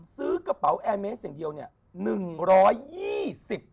ซื้อกระเป๋าแอร์เมสอย่างเดียวเนี่ย